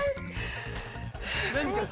何か。